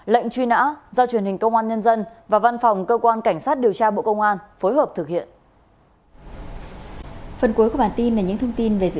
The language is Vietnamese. lệnh truy nã do truyền hình công an nhân dân và văn phòng cơ quan cảnh sát điều tra bộ công an phối hợp thực hiện